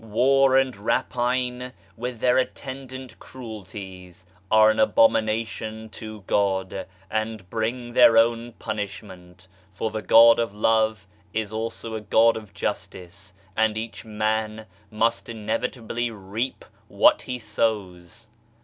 War and Rapine with their attendant cruelties are an abomination to God, and bring their own punishment, for the God of Love is also a God of Justice and each man must inevitably reap what he sows.